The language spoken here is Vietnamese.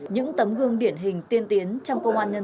những tấm gương điển hình tiên tiến trong công an nhân dân